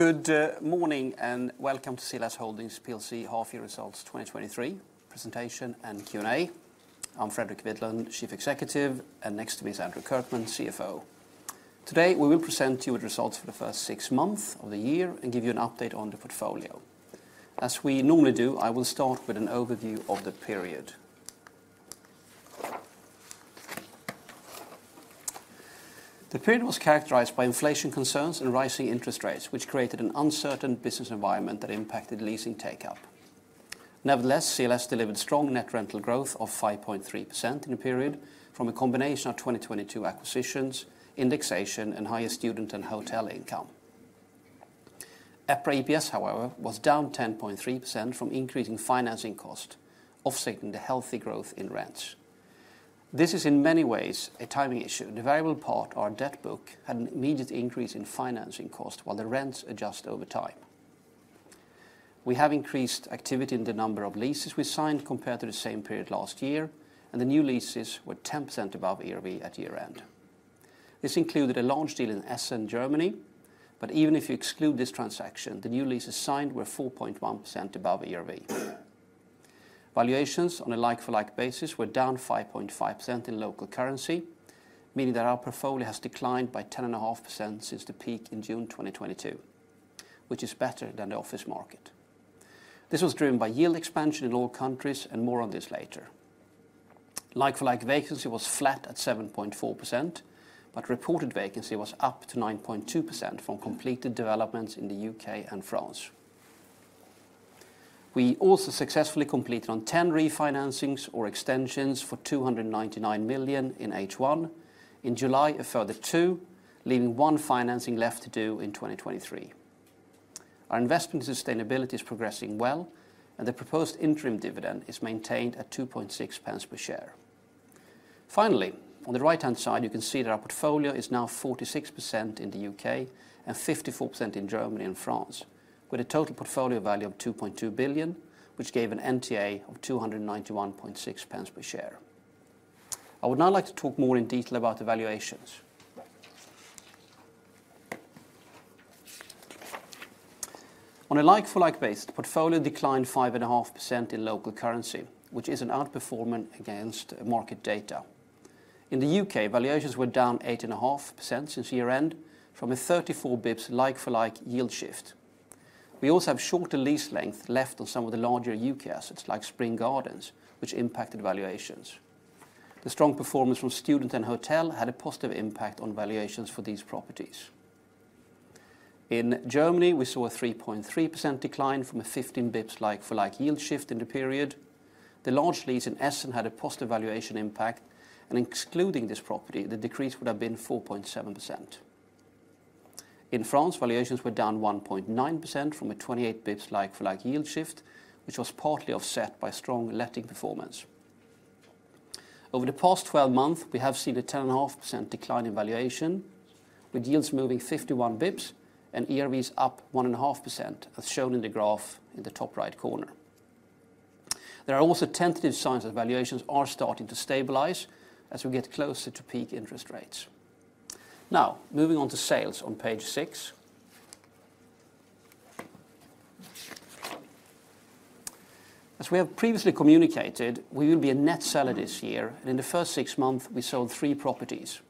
Good morning, welcome to CLS Holdings plc half-year results 2023 presentation and Q&A. I'm Fredrik Widlund, Chief Executive, and next to me is Andrew Kirkman, CFO. Today, we will present you with results for the first six months of the year and give you an update on the portfolio. As we normally do, I will start with an overview of the period. The period was characterized by inflation concerns and rising interest rates, which created an uncertain business environment that impacted leasing take-up. Nevertheless, CLS delivered strong net rental growth of 5.3% in the period from a combination of 2022 acquisitions, indexation, and higher student and hotel income. EPRA EPS, however, was down 10.3% from increasing financing cost, offsetting the healthy growth in rents. This is in many ways a timing issue. The variable part, our debt book, had an immediate increase in financing cost while the rents adjust over time. We have increased activity in the number of leases we signed compared to the same period last year, and the new leases were 10% above ERV at year-end. This included a large deal in Essen, Germany, but even if you exclude this transaction, the new leases signed were 4.1% above ERV. Valuations on a like-for-like basis were down 5.5% in local currency, meaning that our portfolio has declined by 10.5% since the peak in June 2022, which is better than the office market. This was driven by yield expansion in all countries, and more on this later. Like-for-like vacancy was flat at 7.4%, but reported vacancy was up to 9.2% from completed developments in the U.K. and France. We also successfully completed on 10 refinancings or extensions for 299 million in H1. In July, a further 2, leaving one financing left to do in 2023. Our investment in sustainability is progressing well, and the proposed interim dividend is maintained at 2.6 pence per share. Finally, on the right-hand side, you can see that our portfolio is now 46% in the U.K. and 54% in Germany and France, with a total portfolio value of 2.2 billion, which gave an NTA of 291.6 pence per share. I would now like to talk more in detail about the valuations. On a like-for-like base, the portfolio declined 5.5% in local currency, which is an outperformance against market data. In the U.K., valuations were down 8.5% since year-end from a 34 basis points like-for-like yield shift. We also have shorter lease length left on some of the larger U.K. assets, like Spring Gardens, which impacted valuations. The strong performance from student and hotel had a positive impact on valuations for these properties. In Germany, we saw a 3.3% decline from a 15 basis points like-for-like yield shift in the period. The large lease in Essen had a positive valuation impact, and excluding this property, the decrease would have been 4.7%. In France, valuations were down 1.9% from a 28 basis points like-for-like yield shift, which was partly offset by strong letting performance. Over the past 12 months, we have seen a 10.5% decline in valuation, with yields moving 51 bps and ERVs up 1.5%, as shown in the graph in the top right corner. There are also tentative signs that valuations are starting to stabilize as we get closer to peak interest rates. Moving on to sales on page 6. As we have previously communicated, we will be a net seller this year, and in the first 6 months, we sold 3 properties.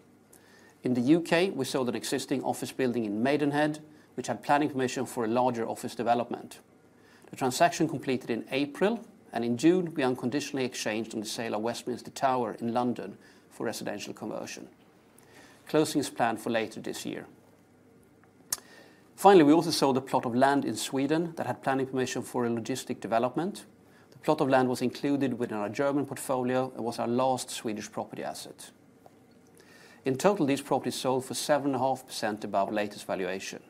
In the U.K., we sold an existing office building in Maidenhead, which had planning permission for a larger office development. The transaction completed in April, and in June, we unconditionally exchanged on the sale of Westminster Tower in London for residential conversion. Closing is planned for later this year. Finally, we also sold a plot of land in Sweden that had planning permission for a logistic development. The plot of land was included within our German portfolio and was our last Swedish property asset. In total, these properties sold for 7.5% above latest valuation.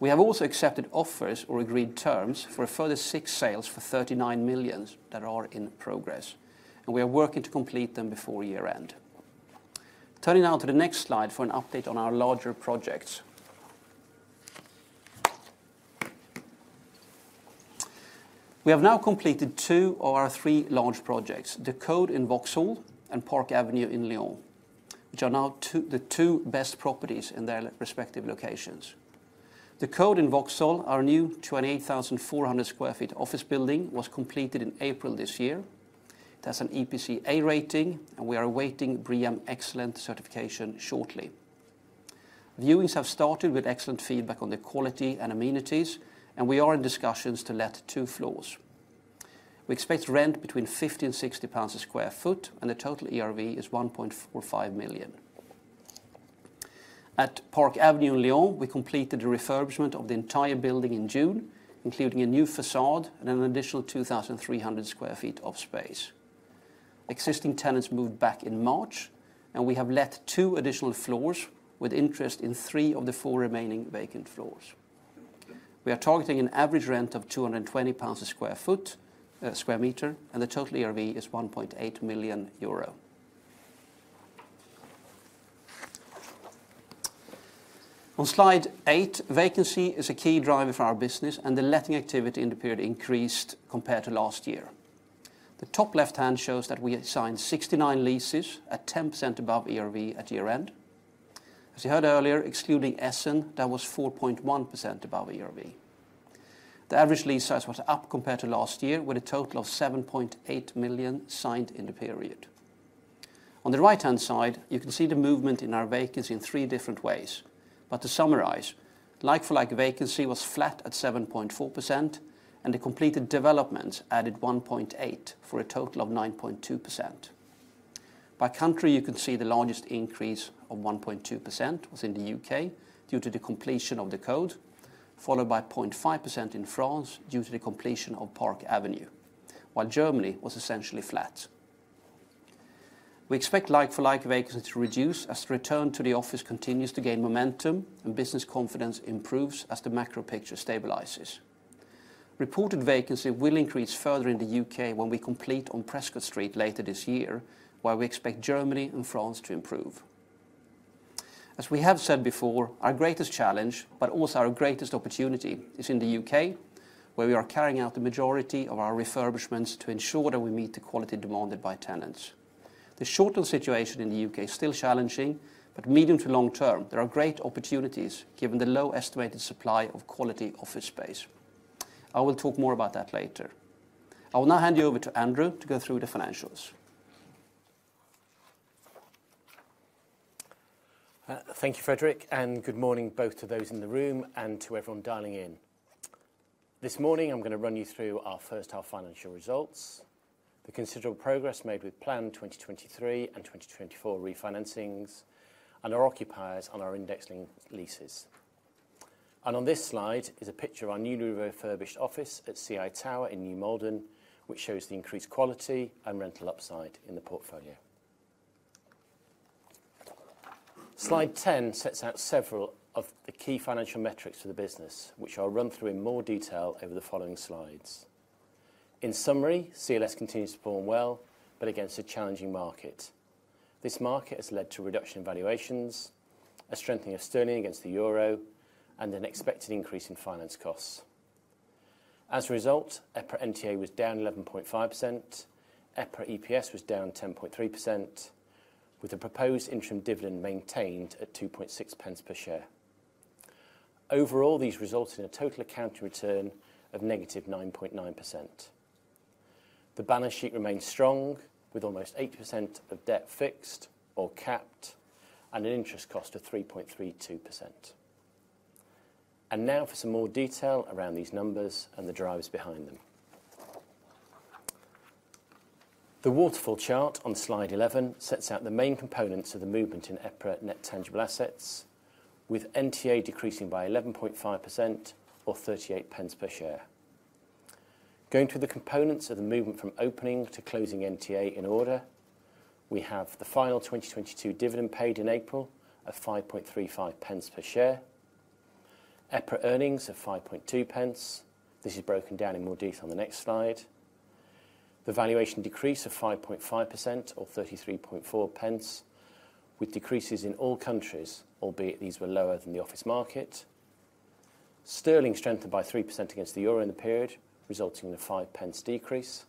We have also accepted offers or agreed terms for a further 6 sales for 39 million that are in progress, and we are working to complete them before year-end. Turning now to the next slide for an update on our larger projects. We have now completed 2 of our 3 large projects, The Coade in Vauxhall and Park Avenue in Lyon, which are now the two best properties in their respective locations. The Coade in Vauxhall, our new 28,400 sq ft office building, was completed in April this year. It has an EPC A rating. We are awaiting BREEAM Excellent certification shortly. Viewings have started with excellent feedback on the quality and amenities. We are in discussions to let 2 floors. We expect rent between 50-60 pounds a sq ft. The total ERV is 1.45 million. At Park Avenue in Lyon, we completed a refurbishment of the entire building in June, including a new facade and an additional 2,300 sq ft of space. Existing tenants moved back in March. We have let 2 additional floors with interest in 3 of the 4 remaining vacant floors. We are targeting an average rent of 220 pounds a sq ft, sq m. The total ERV is 1.8 million euro. On slide 8, vacancy is a key driver for our business, and the letting activity in the period increased compared to last year. The top left-hand shows that we had signed 69 leases at 10% above ERV at year-end. As you heard earlier, excluding Essen, that was 4.1% above ERV. The average lease size was up compared to last year, with a total of 7.8 million signed in the period. On the right-hand side, you can see the movement in our vacancy in three different ways. To summarize, like-for-like vacancy was flat at 7.4%, and the completed developments added 1.8%, for a total of 9.2%. By country, you can see the largest increase of 1.2% was in the U.K., due to the completion of The Coade, followed by 0.5% in France, due to the completion of Park Avenue, while Germany was essentially flat. We expect like-for-like vacancy to reduce as the return to the office continues to gain momentum and business confidence improves as the macro picture stabilizes. Reported vacancy will increase further in the U.K. when we complete on Prescott Street later this year, while we expect Germany and France to improve. As we have said before, our greatest challenge, but also our greatest opportunity, is in the U.K., where we are carrying out the majority of our refurbishments to ensure that we meet the quality demanded by tenants. The short-term situation in the U.K. is still challenging. Medium to long term, there are great opportunities given the low estimated supply of quality office space. I will talk more about that later. I will now hand you over to Andrew to go through the financials. Thank you, Fredrik, and good morning, both to those in the room and to everyone dialing in. This morning, I'm gonna run you through our first half financial results, the considerable progress made with Plan 2023 and 2024 refinancings, and our occupiers on our indexing leases. On this slide is a picture of our newly refurbished office at CI Tower in New Malden, which shows the increased quality and rental upside in the portfolio. Slide 10 sets out several of the key financial metrics for the business, which I'll run through in more detail over the following slides. In summary, CLS continues to perform well, but against a challenging market. This market has led to a reduction in valuations, a strengthening of sterling against the euro, and an expected increase in finance costs. As a result, EPRA NTA was down 11.5%, EPRA EPS was down 10.3%, with the proposed interim dividend maintained at 2.6 pence per share. Overall, these result in a total account return of -9.9%. The balance sheet remains strong, with almost 80% of debt fixed or capped, and an interest cost of 3.32%. Now for some more detail around these numbers and the drivers behind them. The waterfall chart on slide 11 sets out the main components of the movement in EPRA net tangible assets, with NTA decreasing by 11.5%, or 38 pence per share. Going through the components of the movement from opening to closing NTA in order, we have the final 2022 dividend paid in April of 5.35 pence per share, EPRA earnings of 5.2 pence. This is broken down in more detail on the next slide. The valuation decrease of 5.5%, or 33.4 pence, with decreases in all countries, albeit these were lower than the office market. Sterling strengthened by 3% against the euro in the period, resulting in a 5 pence decrease.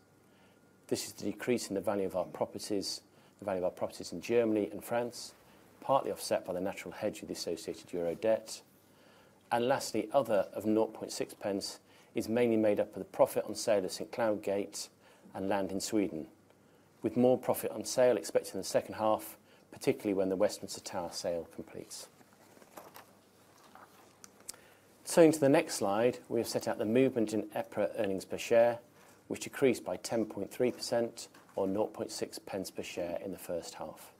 This is decreasing the value of our properties, the value of our properties in Germany and France, partly offset by the natural hedge of the associated euro debt. Lastly, other of 0.6 pence is mainly made up of the profit on sale of St Cloud Gate and land in Sweden, with more profit on sale expected in the second half, particularly when the Westminster Tower sale completes. Turning to the next slide, we have set out the movement in EPRA earnings per share, which decreased by 10.3%, or 0.6 pence per share in the first half.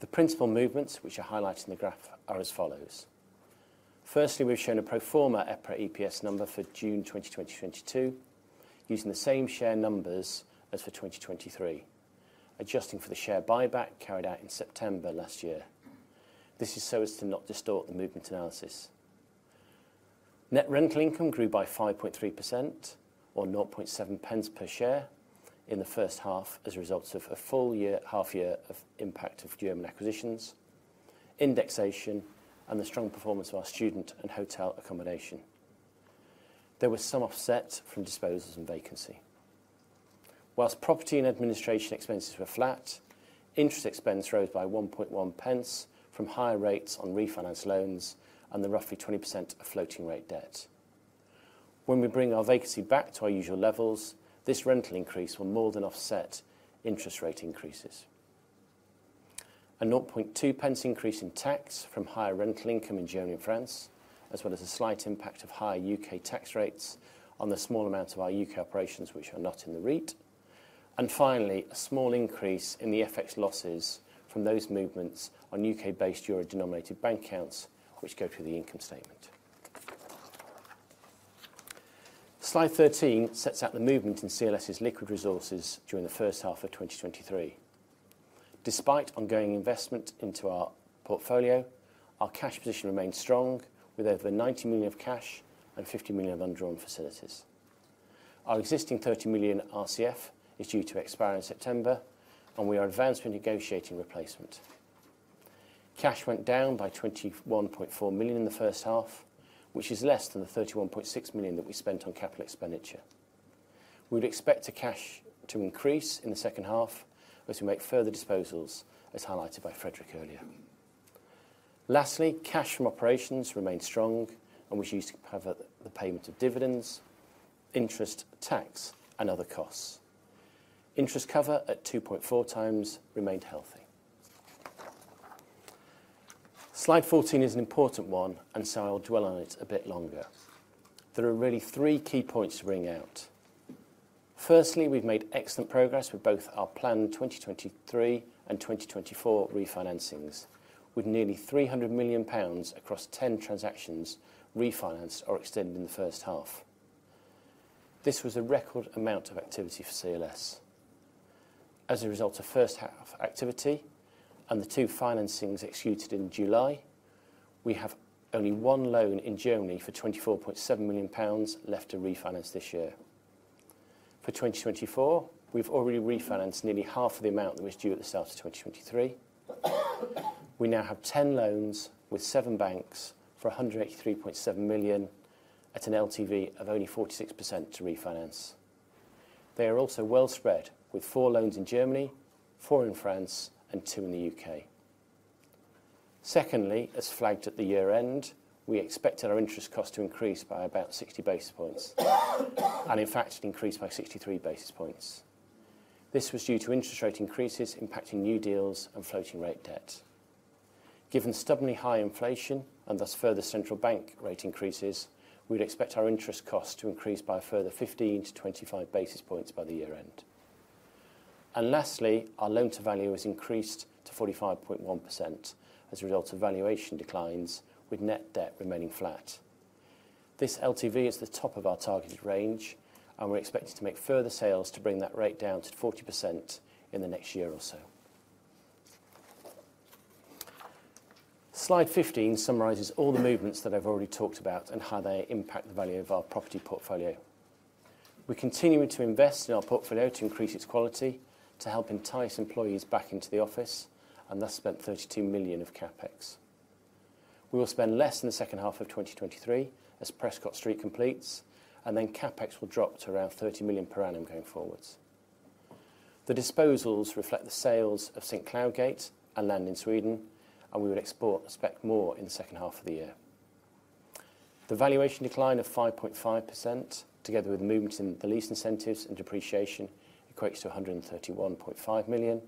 The principal movements, which are highlighted in the graph, are as follows: firstly, we've shown a pro forma EPRA EPS number for June 2022, using the same share numbers as for 2023, adjusting for the share buyback carried out in September last year. This is so as to not distort the movement analysis. Net rental income grew by 5.3%, or 0.7 per share, in the first half as a result of a full year, half year of impact of German acquisitions, indexation, and the strong performance of our student and hotel accommodation. There was some offset from disposals and vacancy. Whilst property and administration expenses were flat, interest expense rose by 1.1 from higher rates on refinance loans and the roughly 20% of floating rate debt. When we bring our vacancy back to our usual levels, this rental increase will more than offset interest rate increases. A 0.2 increase in tax from higher rental income in Germany and France, as well as a slight impact of higher U.K. tax rates on the small amount of our U.K. operations, which are not in the REIT. Finally, a small increase in the FX losses from those movements on U.K.-based euro-denominated bank accounts, which go through the income statement. Slide 13 sets out the movement in CLS's liquid resources during the first half of 2023. Despite ongoing investment into our portfolio, our cash position remains strong, with over 90 million of cash and 50 million of undrawn facilities. Our existing 30 million RCF is due to expire in September, and we are advanced with negotiating replacement. Cash went down by 21.4 million in the first half, which is less than the 31.6 million that we spent on capital expenditure. We'd expect the cash to increase in the second half as we make further disposals, as highlighted by Fredrik earlier. Lastly, cash from operations remained strong and was used to cover the payment of dividends, interest, tax, and other costs. Interest cover at 2.4x remained healthy. Slide 14 is an important one, and so I'll dwell on it a bit longer. There are really 3 key points to bring out. Firstly, we've made excellent progress with both our planned 2023 and 2024 refinancings, with nearly 300 million pounds across 10 transactions refinanced or extended in the first half. This was a record amount of activity for CLS. As a result of first half activity and the 2 financings executed in July, we have only 1 loan in Germany for 24.7 million pounds left to refinance this year. For 2024, we've already refinanced nearly half of the amount that was due at the start of 2023. We now have 10 loans with 7 banks for 183.7 million at an LTV of only 46% to refinance. They are also well spread, with 4 loans in Germany, 4 in France, and 2 in the U.K. Secondly, as flagged at the year-end, we expected our interest cost to increase by about 60 basis points, and in fact, it increased by 63 basis points. This was due to interest rate increases impacting new deals and floating rate debt. Given stubbornly high inflation and thus further central bank rate increases, we'd expect our interest costs to increase by a further 15-25 basis points by the year-end. Lastly, our loan-to-value has increased to 45.1% as a result of valuation declines, with net debt remaining flat. This LTV is the top of our targeted range, and we're expected to make further sales to bring that rate down to 40% in the next year or so. Slide 15 summarizes all the movements that I've already talked about and how they impact the value of our property portfolio. We're continuing to invest in our portfolio to increase its quality, to help entice employees back into the office, and thus spent 32 million of CapEx. We will spend less in the second half of 2023, as Prescot Street completes, and then CapEx will drop to around 30 million per annum going forwards. The disposals reflect the sales of St Cloud Gate and land in Sweden, and we would export, expect more in the second half of the year. The valuation decline of 5.5%, together with movements in the lease incentives and depreciation, equates to 131.5 million.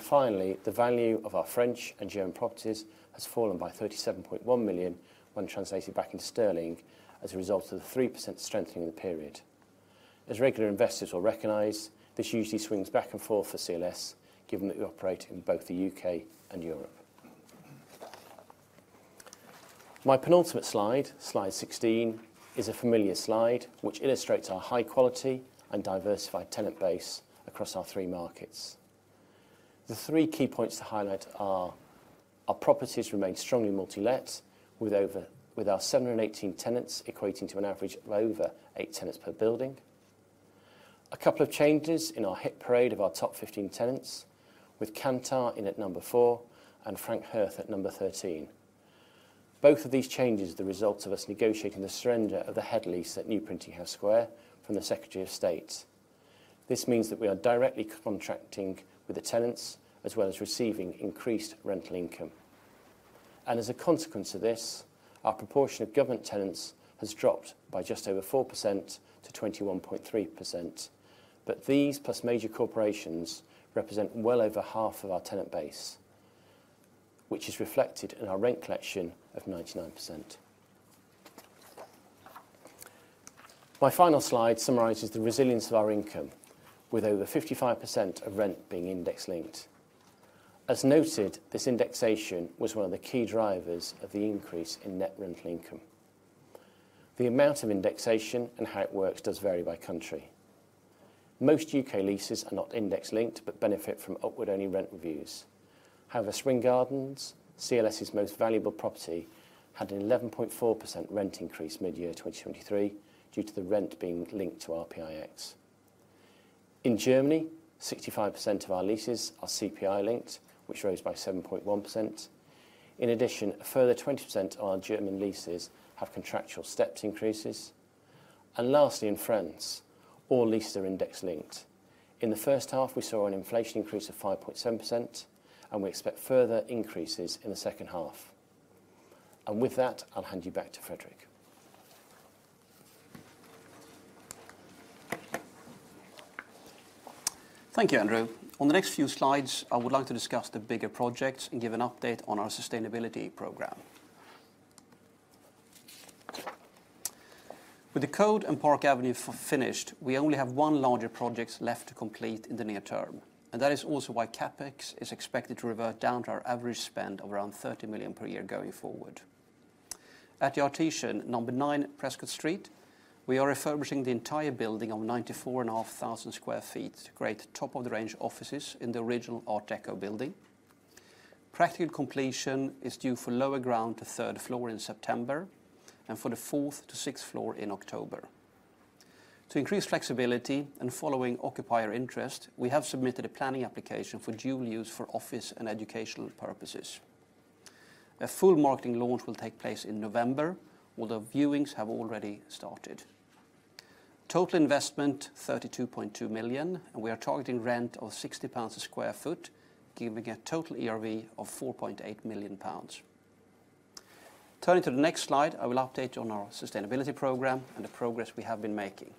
Finally, the value of our French and German properties has fallen by 37.1 million when translated back into sterling as a result of the 3% strengthening the period. As regular investors will recognize, this usually swings back and forth for CLS, given that we operate in both the U.K. and Europe. My penultimate slide, slide 16, is a familiar slide, which illustrates our high quality and diversified tenant base across our three markets. The three key points to highlight are: our properties remain strongly multi-let, with our 718 tenants, equating to an average of over 8 tenants per building. A couple of changes in our hit parade of our top 15 tenants, with Kantar in at number 4 and Knight Frank at number 13. Both of these changes are the result of us negotiating the surrender of the head lease at New Printing House Square from the Secretary of State. This means that we are directly contracting with the tenants, as well as receiving increased rental income. As a consequence of this, our proportion of government tenants has dropped by just over 4%-21.3%. These, plus major corporations, represent well over half of our tenant base, which is reflected in our rent collection of 99%. My final slide summarizes the resilience of our income, with over 55% of rent being index linked. As noted, this indexation was one of the key drivers of the increase in net rental income. The amount of indexation and how it works does vary by country. Most U.K. leases are not index linked, but benefit from upward-only rent reviews. However, Spring Gardens, CLS's most valuable property, had an 11.4% rent increase mid-2023, due to the rent being linked to RPIX. In Germany, 65% of our leases are CPI linked, which rose by 7.1%. In addition, a further 20% of our German leases have contractual stepped increases. Lastly, in France, all leases are index linked. In the first half, we saw an inflation increase of 5.7%, and we expect further increases in the second half. With that, I'll hand you back to Fredrik. Thank you, Andrew. On the next few slides, I would like to discuss the bigger projects and give an update on our sustainability program. With The Coade and Park Avenue finished, we only have one larger project left to complete in the near term, that is also why CapEx is expected to revert down to our average spend of around 30 million per year going forward. At The Artesian, number 9 Prescot Street, we are refurbishing the entire building of 94,500 sq ft to create top-of-the-range offices in the original Art Deco building. Practical completion is due for lower ground to third floor in September and for the fourth to sixth floor in October. To increase flexibility and following occupier interest, we have submitted a planning application for dual use for office and educational purposes. A full marketing launch will take place in November, although viewings have already started. Total investment, 32.2 million. We are targeting rent of 60 pounds a sq ft, giving a total ERV of 4.8 million pounds. Turning to the next slide, I will update you on our sustainability program and the progress we have been making.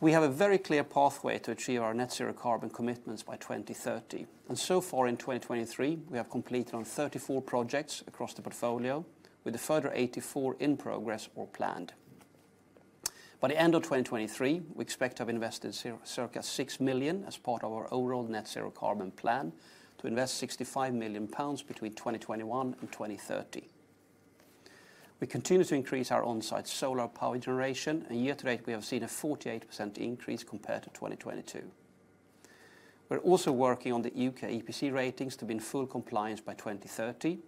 We have a very clear pathway to achieve our net zero carbon commitments by 2030. So far in 2023, we have completed on 34 projects across the portfolio, with a further 84 in progress or planned. By the end of 2023, we expect to have invested circa 6 million as part of our overall net zero carbon plan to invest 65 million pounds between 2021-2030. We continue to increase our on-site solar power generation, and year to date, we have seen a 48% increase compared to 2022. We're also working on the U.K. EPC ratings to be in full compliance by 2030,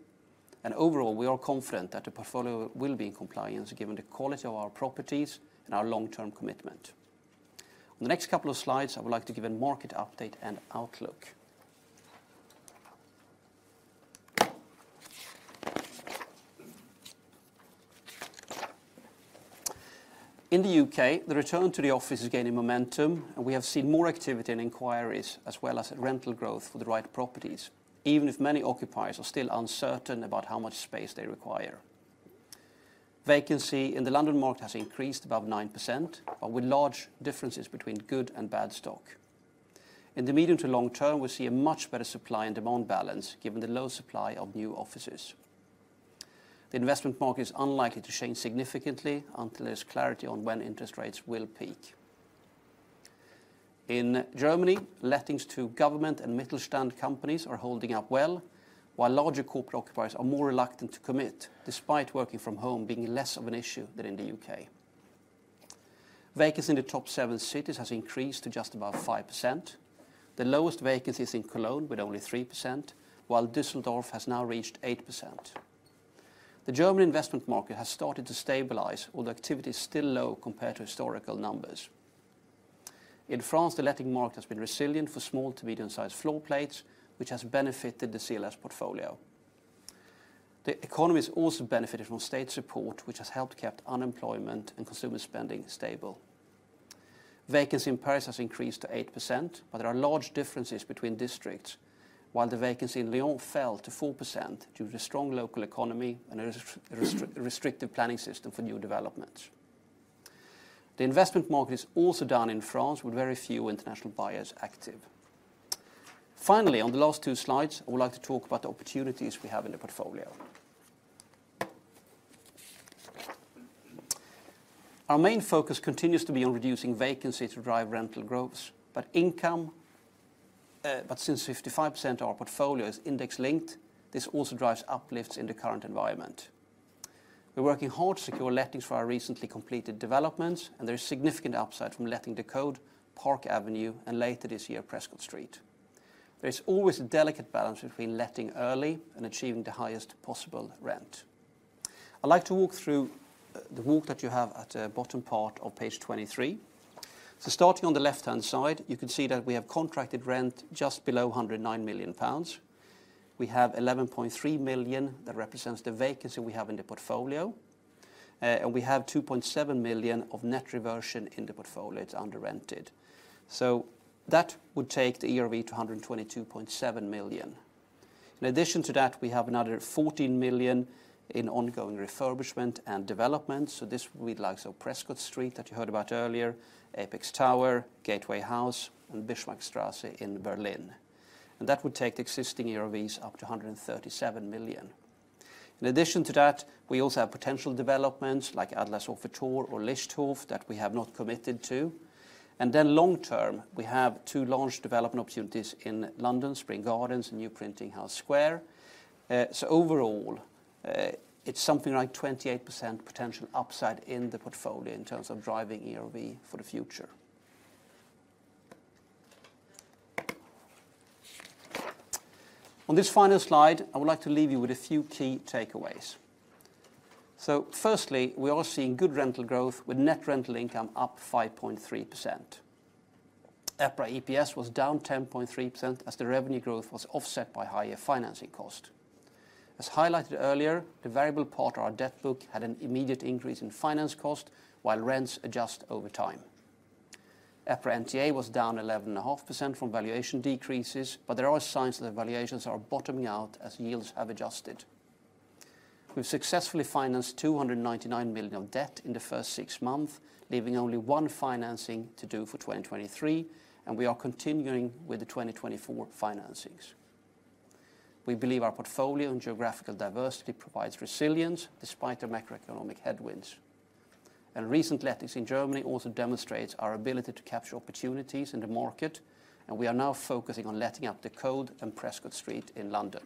and overall, we are confident that the portfolio will be in compliance given the quality of our properties and our long-term commitment. On the next couple of slides, I would like to give a market update and outlook. In the U.K., the return to the office is gaining momentum, and we have seen more activity and inquiries, as well as rental growth for the right properties, even if many occupiers are still uncertain about how much space they require. Vacancy in the London market has increased above 9%, but with large differences between good and bad stock. In the medium to long term, we see a much better supply and demand balance, given the low supply of new offices. The investment market is unlikely to change significantly until there's clarity on when interest rates will peak. In Germany, lettings to government and Mittelstand companies are holding up well, while larger corporate occupiers are more reluctant to commit, despite working from home being less of an issue than in the U.K.. Vacancy in the top 7 cities has increased to just about 5%. The lowest vacancy is in Cologne, with only 3%, while Düsseldorf has now reached 8%. The German investment market has started to stabilize, although activity is still low compared to historical numbers. In France, the letting market has been resilient for small to medium-sized floor plates, which has benefited the CLS portfolio. The economy has also benefited from state support, which has helped kept unemployment and consumer spending stable. Vacancy in Paris has increased to 8%, there are large differences between districts, while the vacancy in Lyon fell to 4% due to the strong local economy and a restrictive planning system for new developments. The investment market is also down in France, with very few international buyers active. Finally, on the last 2 slides, I would like to talk about the opportunities we have in the portfolio. Our main focus continues to be on reducing vacancy to drive rental growth, income, since 55% of our portfolio is index linked, this also drives uplifts in the current environment. We're working hard to secure lettings for our recently completed developments, and there is significant upside from letting The Coade, Park Avenue, and later this year, Prescott Street. There is always a delicate balance between letting early and achieving the highest possible rent. I'd like to walk through the walk that you have at the bottom part of page 23. Starting on the left-hand side, you can see that we have contracted rent just below 109 million pounds. We have 11.3 million that represents the vacancy we have in the portfolio, and we have 2.7 million of net reversion in the portfolio. It's under rented. That would take the ERV to 122.7 million. In addition to that, we have another 14 million in ongoing refurbishment and development, so this would be like so Prescott Street, that you heard about earlier, Apex Tower, Gateway House, and Bismarckstrasse in Berlin. That would take the existing ERVs up to 137 million. In addition to that, we also have potential developments like Atlas Office or Lichthof, that we have not committed to. Then long term, we have two large development opportunities in London, Spring Gardens and New Printing House Square. Overall, it's something like 28% potential upside in the portfolio in terms of driving ERV for the future. On this final slide, I would like to leave you with a few key takeaways. Firstly, we are seeing good rental growth with net rental income up 5.3%. EPRA EPS was down 10.3%, as the revenue growth was offset by higher financing cost. As highlighted earlier, the variable part of our debt book had an immediate increase in finance cost, while rents adjust over time. EPRA NTA was down 11.5% from valuation decreases, but there are signs that the valuations are bottoming out as yields have adjusted. We've successfully financed 299 million of debt in the first six months, leaving only one financing to do for 2023. We are continuing with the 2024 financings. We believe our portfolio and geographical diversity provides resilience despite the macroeconomic headwinds. Recent lettings in Germany also demonstrates our ability to capture opportunities in the market, and we are now focusing on letting out The Coade and Prescott Street in London.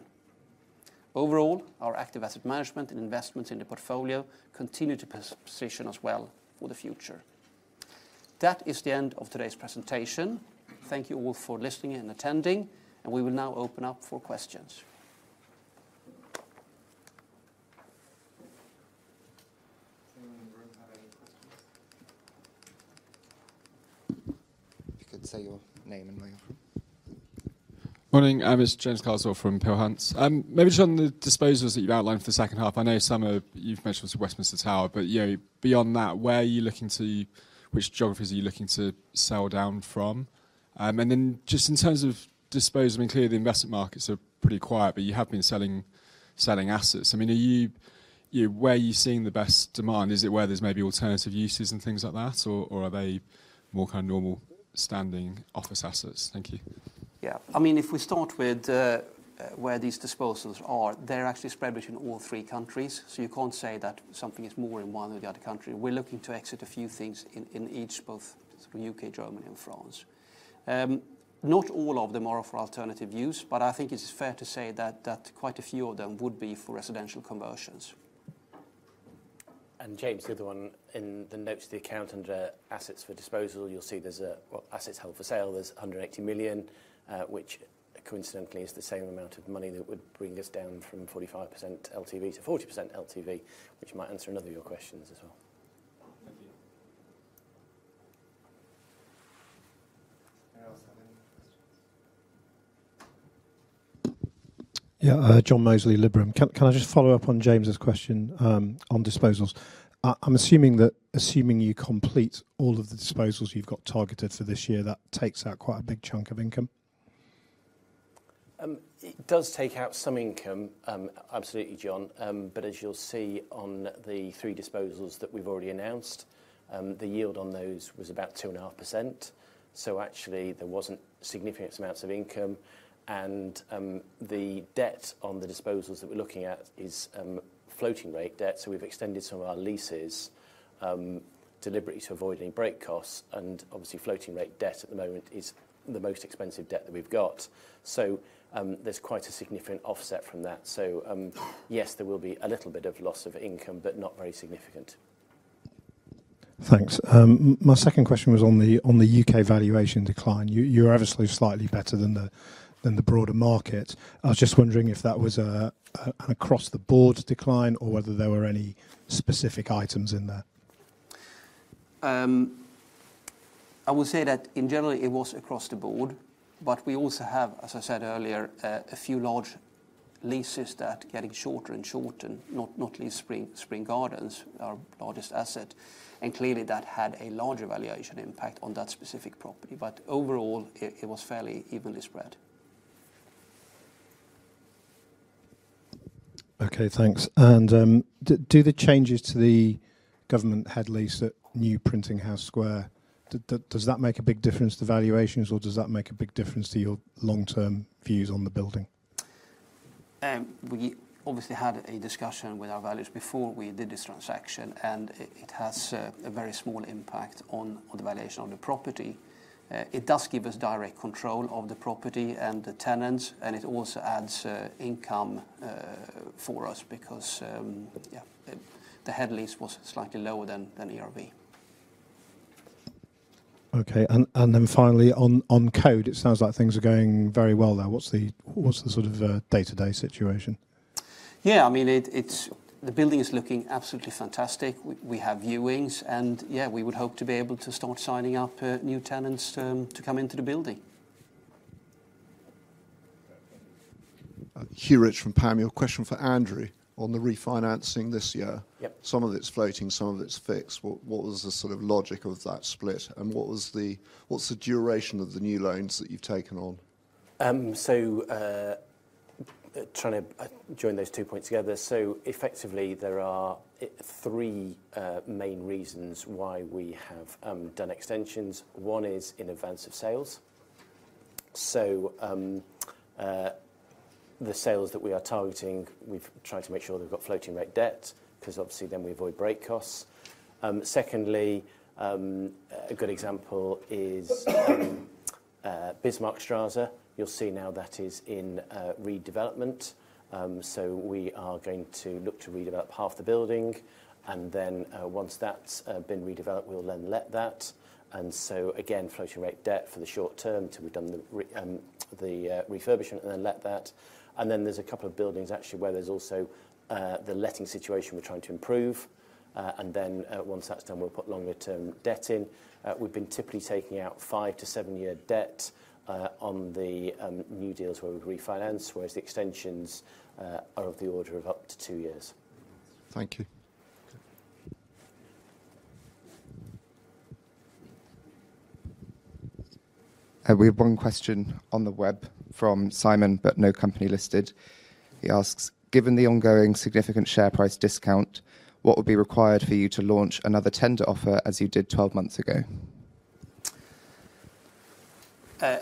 Overall, our active asset management and investments in the portfolio continue to position us well for the future. That is the end of today's presentation. Thank you all for listening and attending, and we will now open up for questions. Anyone in the room have any questions? If you could say your name and where you're from. Morning, it's James Carswell from Peel Hunt. Maybe just on the disposals that you've outlined for the second half, I know some are, you've mentioned Westminster Tower. You know, beyond that, where are you looking to which geographies are you looking to sell down from? Just in terms of disposals, I mean, clearly, the investment markets are pretty quiet, but you have been selling, selling assets. I mean, are you where are you seeing the best demand? Is it where there's maybe alternative uses and things like that, or, or are they more kind of normal standing office assets? Thank you. Yeah. I mean, if we start with where these disposals are, they're actually spread between all three countries. You can't say that something is more in one or the other country. We're looking to exit a few things in, in each, both through U.K., Germany, and France. Not all of them are for alternative use, but I think it's fair to say that, that quite a few of them would be for residential conversions. James, the other one in the notes to the account under assets for disposal, you'll see there's a, well, assets held for sale. There's under 80 million, which coincidentally is the same amount of money that would bring us down from 45% LTV to 40% LTV, which might answer another of your questions as well. Thank you. Anyone else have any questions? Yeah, John Mozley, Liberum. Can, can I just follow up on James's question, on disposals? I'm assuming that, assuming you complete all of the disposals you've got targeted for this year, that takes out quite a big chunk of income. It does take out some income, absolutely, John. As you'll see on the three disposals that we've already announced, the yield on those was about 2.5%. Actually, there wasn't significant amounts of income, and the debt on the disposals that we're looking at is floating rate debt. We've extended some of our leases, deliberately to avoid any break costs, and obviously, floating rate debt at the moment is the most expensive debt that we've got. There's quite a significant offset from that. Yes, there will be a little bit of loss of income, but not very significant. Thanks. My second question was on the, on the U.K. valuation decline. You, you're obviously slightly better than the, than the broader market. I was just wondering if that was an across-the-board decline or whether there were any specific items in there. I would say that in general, it was across the board, but we also have, as I said earlier, a few large leases that are getting shorter and shorter, not, not least Spring Gardens, our largest asset. Clearly, that had a larger valuation impact on that specific property. Overall, it, it was fairly evenly spread. Okay, thanks. Do the changes to the government head lease at New Printing House Square, does that, does that make a big difference to valuations, or does that make a big difference to your long-term views on the building? We obviously had a discussion with our valuers before we did this transaction, and it, it has a, a very small impact on the valuation of the property. It does give us direct control of the property and the tenants, and it also adds income for us because the head lease was slightly lower than, than ERV. Okay, finally, on, on The Coade, it sounds like things are going very well there. What's the, what's the sort of day-to-day situation? Yeah, I mean, it, it's. The building is looking absolutely fantastic. We, we have viewings, yeah, we would hope to be able to start signing up, new tenants, to come into the building. Hugh Rich from Pam Gordon. A question for Andrew on the refinancing this year. Yep. Some of it's floating, some of it's fixed. What was the sort of logic of that split? What's the duration of the new loans that you've taken on? Trying to join those two points together. Effectively, there are three main reasons why we have done extensions. One is in advance of sales. The sales that we are targeting, we've tried to make sure they've got floating-rate debt, 'cause obviously then we avoid break costs. Secondly, a good example is Bismarckstrasse. You'll see now that is in redevelopment. We are going to look to redevelop half the building, and then once that's been redeveloped, we'll then let that. Again, floating-rate debt for the short term till we've done the refurbishment and then let that. There's a couple of buildings, actually, where there's also the letting situation we're trying to improve. Once that's done, we'll put longer-term debt in. We've been typically taking out five to seven-year debt, on the new deals where we've refinanced, whereas the extensions are of the order of up to two years. Thank you. We have 1 question on the web from Simon, but no company listed. He asks: "Given the ongoing significant share price discount, what would be required for you to launch another tender offer as you did 12 months ago?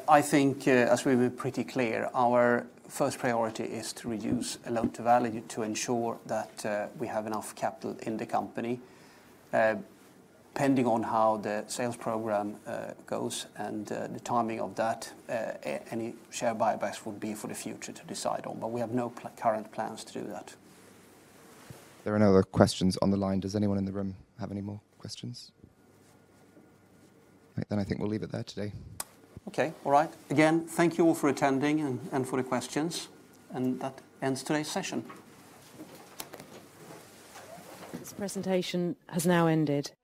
I think, as we were pretty clear, our first priority is to reduce our loan to value to ensure that we have enough capital in the company. Pending on how the sales program goes and the timing of that, any share buybacks would be for the future to decide on, but we have no current plans to do that. There are no other questions on the line. Does anyone in the room have any more questions? Right, I think we'll leave it there today. Okay. All right. Again, thank you all for attending and for the questions. That ends today's session. This presentation has now ended.